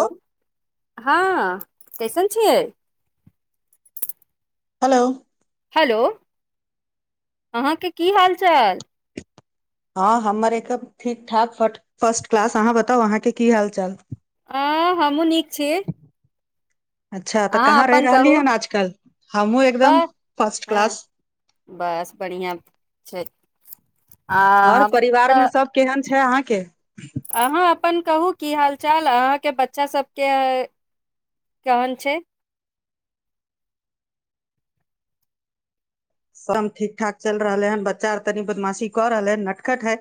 ओ ह कैसन छियै हेलो हेलो अहाँके की हाल चाल ह हमर एकम ठीक ठाक फट फर्स्ट क्लास अहाँ बताउ अहाँके की हाल चाल आ हमहूँ नीक छी। अच्छा तऽ अहाँ कहाँ रहि अपन कहू रहलीहन आजकल हमहूँ एकदम बस फर्स्ट हँ क्लास बस बढ़िआँ छै आ घर हम परिवार तऽ मे सब केहन छै अहाँ के अहाँ अपन कहू की हाल चाल अहाँके बच्चा सबके केहन छै सम ठीक ठाक चल रहलेहन बच्चा आर तनी बदमाशी कऽ रहले है नटखट हय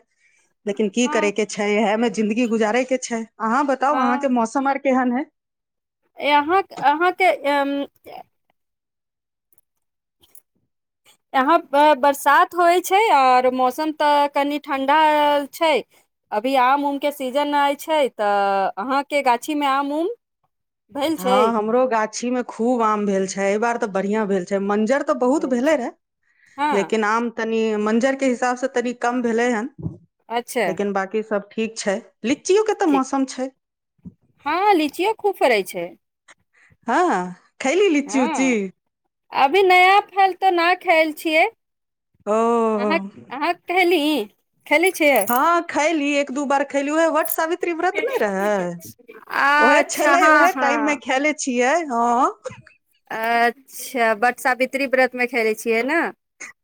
लेकिन की हँ करैके छै इहैमे जिन्दगी गुजारे के छै अहाँ बताउ हँ अहाँके मौसम आर केहन हय यहाँ अहाँके एम्म ए यहाँ पर बरसात होइत छै आओर मौसम तऽ कनि ठण्डा छै अभी आम उमके सीजन आइ छै तऽ अहाँके गाछीमे आम उम भेल ह छै हमरो गा छी मे खूब आम भेल छै एबार तऽ बढ़िया भेल छै मंजर [unintelligible] बहुत भेल छै भेलै रहै हँ लेकिन आम तऽ नी मंजर के हिसाबसँ तनी कम भेलैहन अच्छा लेकिन बाकी सब ठीक ठीक छै लीचियो के तऽ ठीक मौसम छै ह लीचियो खूब फरै छै ह खैली लिची ऊचि हँ अभी नया फल तऽ नहि खायल छियै ओ अहाँ अहाँ कहली ह खयलीये। एक दू बार खेलु ह बट सावी त्री व्रत नहि रहै ओह अच्छा छलै हँ ओहे टाइम मे हँ खयले छियै ह अच्छा बट सावित्री व्रतमे खेलै छियै ने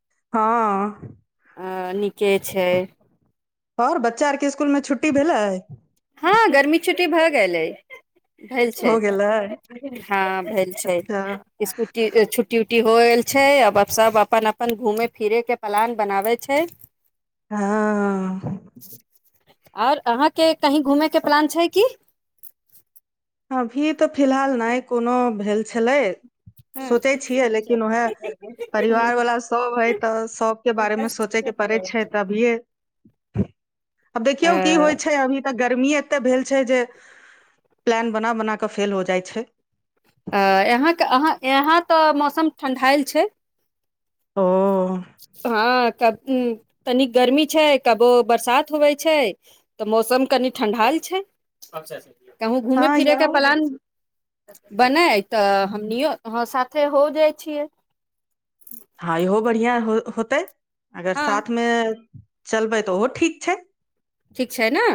ह अ नीके छै आओर बच्चा आरके इसकुलमे छुट्टी भेलै ह गर्मी छुट्टी भऽ गेलै भेल छै हो गेलै ह भेल छै अच्छा इसकुटी छुट्टी छुट्टी होएल छै अब सब अपन अपन घूमे फिरे के पलान बनावे छै हँ-अ आओर अहाँके कहीं घुमैय के प्लान छै की अभी तऽ फिलहाल नहि कोनो भेल छलै सोचै छियै लेकिन उहाए परिवार वला सभ हइ तऽ सबके बारेमे सोचे के पड़ै छै, त अभियै आब देखियौ की होइ छै अभी तऽ गर्मी तऽ भेल छै जे प्लान बना-बना कऽ फेल हो जाइ छै अ-यहाँक अहाँ यहाँ तऽ मौसम ठण्ढायल छै ओ हाँ कब हुँ तनी गर्मी छै कबो बरसात होवे छै तऽ मौसम कनि ठंढाइल छै अच्छा- छा कहुँ हँ घूमे-फिरे के यहो प्लान बनै तऽ हमनियौ हाँ साथ से हो जाइ छियै हाँ ईहो बढियाँ हो होतै अगर हँ साथ मे चलबै तऽ ओहो ठीक छै ठीक छै ने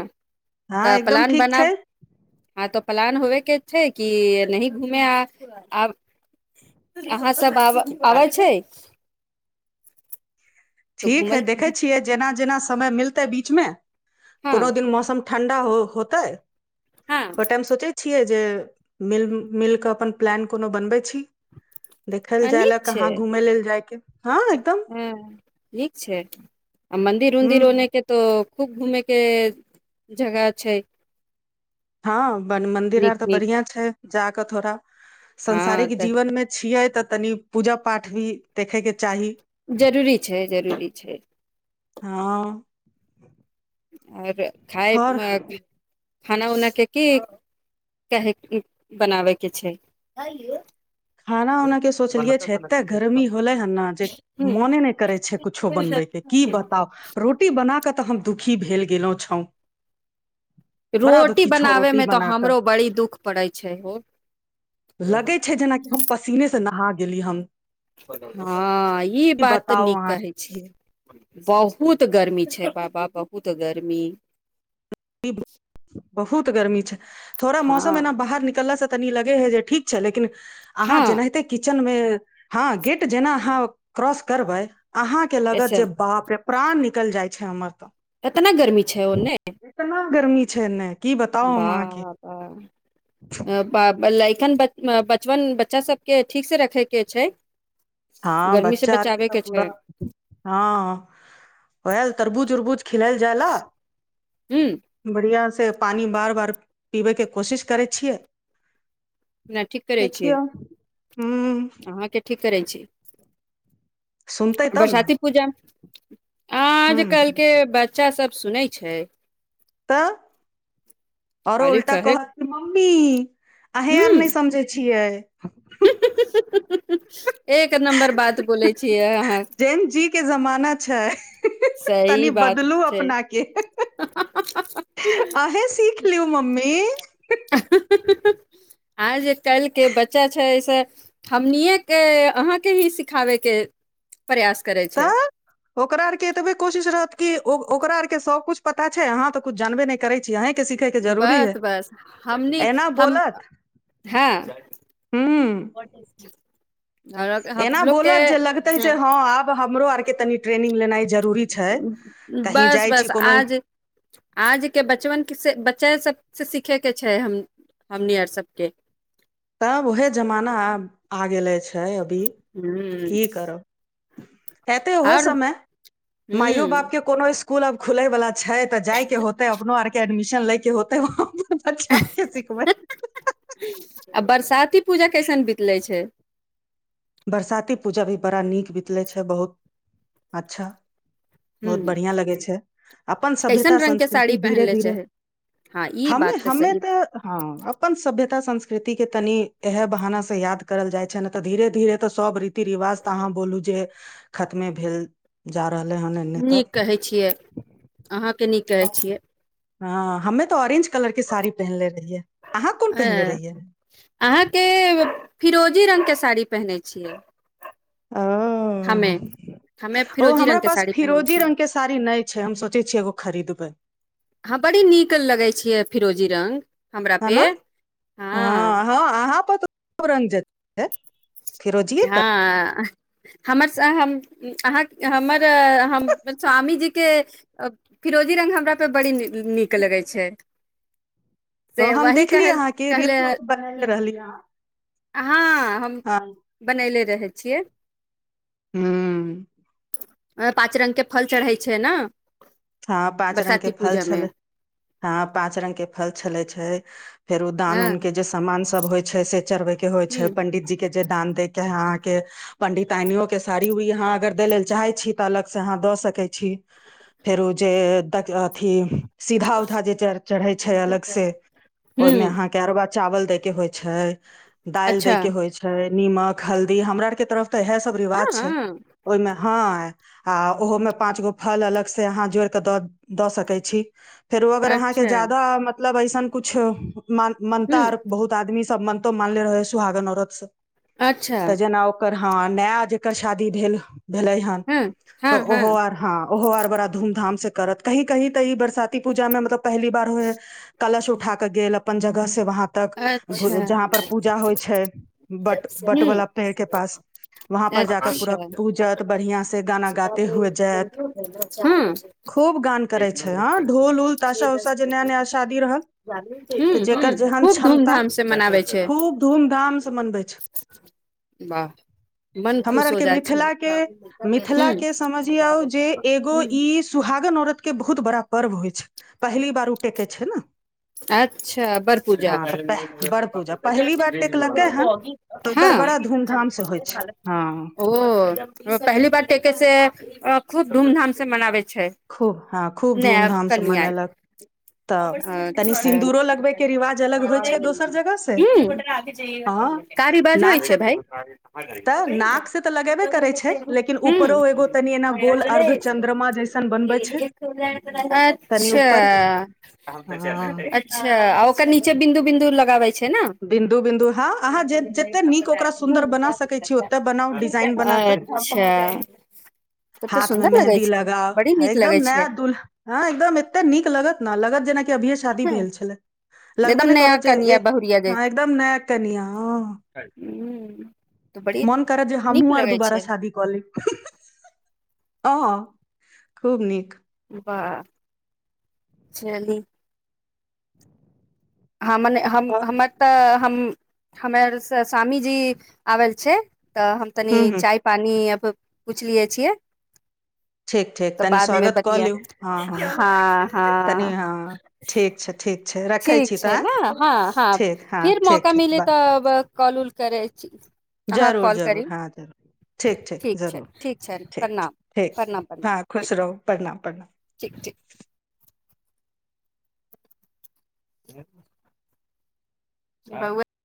हँ तऽ एकदम प्लान ठीक बना छै हँ तऽ प्लान होवे के छै कि नही घूमे आ आब अहाँ सब आब आबै छै तऽ ठीक है घूमल देखय छियै जेना जेना समय मिलतै बीचमे हँ कोनो दिन मौसम ठंडा हो होतै हँ बट हम सोचय छियै जे मिल मिलके अपन प्लेन कोनो बनबै छी देखल जाइला कहाँ घूमय लेल जाइके। हुं निक छै आ मन्दिर उन्दिर हूँ ओनेके तऽ खूब घूमे के जगह छै हम बन मंदिर नीक आर तऽ नीक बढ़िया छै जा कऽ थोड़ा हँ संंसारिक तऽ जीवनमे छियै तऽ तनि पूजा पाठ भी देखे के चाही जरूरी छै जरूरी छै ह आबै खाय आओर मे [unintelligible] खाना उना के की कहे बनाबे के छै खाना उनाके सोचलियै छै एते गर्मी होलै हन न जे ह मोने नै करै छै कुछो बनबैके की बताउ रोटी बना कऽ तऽ हम दुखी भेल गैलौ छौ रोटी बनाबेमे तऽ कऽ हमरो बड़ी दुःख पड़ै छै होअ लगै छै जेनाकि हम पसीने से नहा गेली हम ह ई की बात तऽ बताउ नीक अहाँ कहै छियै बहुत गर्मी छै बाबा बहुत गर्मी [unintelligible] बहुत गर्मी छै थोड़ा हँ मौसम ऐना बाहर निकलला से तनी लगे हे जे ठीक छै लेकिन आहाँ हँ जेनाहेते किचन में हां गेट जेना अहाँ क्रॉस करबै अहाँ के ऐसे लगत जे बाप रे प्राण निकल जाय छै हमर तऽ। एतना गर्मी छै ओ नै। इतना गर्मी छै नै। बाह बाह ए बा बलई एखन बत बचपन बच्चा सबके ठीक से रखे के छै। हां गर्मी से बच्चा आर के बचाबे तऽ पूरा छै हां वहाला तरबूज उरबूज खिलएल जाय ल, ह बढ़िया से फेर पानी बार बार पीबै के कोशिश करै छियै। नै ठीक करै छियै। देखियौ हूँ अहाँ के ठीक करै छै। सुनतै तब ने बरसाती पूजामे, हूँ आजकल के बच्चा सब सुनै छै। तऽ आओर खाली उल्टा कहे कहत मम्मी अहें आर हूं नहि समझे छियै। ह एक नम्बर बात बोलै छियै अहाँ। जेन जी के जमाना छै। सही तनि बात बदलू छै। अपना के [unintelligible] मम्मी। आइ जे काल्हिके बच्चा छै से हमनिएके अहाके ही सिखाबयके तऽ ओकरा आरके एतबे कोशिश रहत कि ओ ओकरा आर के सब कुछ पता छै अहा तऽ कुछ जानबे नै करे छी अन्हे बस बस हमनी एना हम बोलत ह। हूं बट इ [unintelligible] आओर एना हमलोग के बोलत जे लगतै जे ह हँ आब हमरो आर के तनि ट्रेनिंग लेनाइ जरूरी छै कहीं बस जाइ छी बस कोनो आज आजके बचबन से बच्चे से से सीखेके छै हम हमनी आर सबके। तब उहे जमाना आब आ गेल अछि। [unintelligible] अभी ह की करब। एते ओहो आओर समय माइयो ह बापके कोनो [unintelligible] कुल अब खुलै बला छै तऽ जायके होतै अपनो आर के एडमि शन लैके होतै वहाँ पर बच्चा के सिखबै आ बरसाती पूजा कैसन बीतले छै बरसाती पूजा भी बड़ा नीक बितलै छै बहुत अच्छा ह बहुत बढ़िआ लगै छै अपन सभ्यता कैसन रंग के संस्कृति साड़ी धीरे पहिनले छै धीरे हँ ई हमे बात हमे सही तऽ ह अपन सभ्यता संस्क कृति के तनि इहै बहाना से याद करल जाइ छै नहि तऽ धीरे धीरे तऽ सब री रीति रिवाज तऽ अहाँ बोलू जे खत्मे भेल जा रहलै हन एन्ने तऽ नीक कहै छियै अहाँके नीक कहै छियै हँ हमे तऽ ऑरेंज कलर के साड़ी पहिनले रहियै अहाँ कोन पहिनले अ रहियै अहाँके फिरोजी रंग साड़ी पहिने छियै? ओ हम्मे हम्मे ओ फिरोजी हमरा रंग के पास साड़ी पहिनय फिरोजी छियै रंग के साड़ी नहि छै हम सोचै छियै एगो खरीदबै हाँ बड़ी नीक लगै छियै फिरोजी जी रंग हमरा है पे न हँ हँ अहाँ पर तऽ खुब रङ्ग जचतै हँ हमर स हम अहाँ हमर हम स्वामीजीके फिरोजी रङ्ग हमरापर बड़ी नीक लगै छै ओ से हम वही देखली कह अहाँके कहले रिल उल बनेली रहलियै अहाँ हँ हम हँ बनैले रहै छियै ह्म्म ओहिमे पाँच रंग के फल चढ़ै छै ने हँ पाँच रंग के बरसाती फल पूजा मे छले हँ पाँच रंग के फल छले छै फेर ओ दान हँ उन के जे सामान सब होइ छै से चढ़बै के होइ ह छै पंडित जी के जे दान देय कै आहाँ के पंडितानियो के साड़ी उड़ी अहाँ अगर दय लेल चाहै छी तऽ अलग से अहाँ दऽ सकै छी फेरो जे तक रहथिन सीधा उधा जे चढ़ चढ़ए छै अलग से ओहिमे ह अहाँ के अरबा चावल देय के होइ छै दालि दै अच्छा के होइ छैय निमक हल्दी हमरा आर के तरफ तऽ इएह सब रिवाज छै हँ ओहिमे हँ आ ओहो मे पांच गो फल अलग से आहां जोइर कऽ दऽ दऽ सकय छी फेरो अगर अहाँके अच्छा ज्यादा मत मतलब अइसन कुछो मान मानता ह आर बहुत आदमी सब मन तो मानले रहेैय हय सुहागन औरत स अच्छा त जना ओकर हँ नया जेकर शादी भेल भेलै हन हँ हँ तऽ हँ ओहो आर हँ ओहो आर धाम से करत कहीं कहीं तऽ ई बरसाती पूजामे मतलब पहली बार होई हइ कलश उठा कऽ गेल अपन जगह से वहाँ तक अच्छा जहाँ पर पूजा होइ छै बट बट ह वला पेड़ के पास वहाँ पर जा क पूरा अच्छा पूजत बढ़ियाँ से गाना गाते हुए जाएत हँ खूब गान करै छै हँ ढोल उल ताशा उसा जे नया नया शादी रहल हूँ तऽ जकर जे हूँ खूब धूम धाम से मनाबै छै धूमधाम से मनबै छै वाह मन हमर खुश हो आरके जाइ छै मिथिलाके हूँ गो हूँ ई सुहागन औरत के बहुत बड़ा पर्व होइ छै पहली बार ओ टके छै न अच्छा बर पूजा तऽ बड़ पूजा पहिली बार टेकलकै हन तऽ ओकर हँ बड़ा धूमधाम से होइ छै हँ ओ पहली बार टेके से खूब धूमधाम से मनावै खूब हँ खूब धूम धामसँ कनिया मनेलक तऽ तनि हूँ सिंदूरो लगबै के रिवाज अलग होइ छै दोसर जगह से हाँ कारी बाज होइ नाक से छै भाय नाक से त लगेबै करै छै लेकिन हूँ उपरो अर्ध्य चन्द्रमा जैसे तनि अच्छा ऊपर हँ अच्छा आ- ओकर नीचे बिन्दु बिन्दु लगाबै छै ने बिन्दु बिन्दु हँ अहाँ जते जत्ते नीक ओकरा सुन्दर बना सकै छी ओते बनाउ डिजाइन बना क अच्छा तब तऽ हाथ मे सुन्दर लगै मेहंदी छै लगाउ बड़ी नीक लगै एकदम नया छै दूल्हा हँ एकदम एत्ते नीक लगत ने लगत जेना अभियै शादी भेल छलै लगबे एकदम नहि नया करत जे कनिया ए बहुरिया जे हँ एकदम कनियाँ हँ हूँ मन करत जे हमहूँ आर दुबारा शादी कऽ ली ओ खूब नीक वाह चली हाँ मने हम हम आओर हमर तऽ हम हमे आर स स्वामीजी आवेल छै तऽ हम तनी हूँ हूँ चाय पानी पुछलियै छियै ठीक ठीक तऽ तनि बादमे स्वागत कऽ बतिया लियौ हँ हँ तनि हँ ठीक छै ठीक छै रखै ठीक छी तऽ छै आँय ने हँ हँ ठीक हँ फिर ठीक मौका ठीक मिले बाय तऽ ब कॉल उल करै छी अहाँ जरूर कॉल करी जरूर हँ जरूर ठीक छै जरूर ठीक छै ठीक प्रणाम ठीक प्रणाम प्रणाम हँ ठीक खुश रहू प्रणाम प्रणाम ठीक ठीक [inaudible] [unintelligible]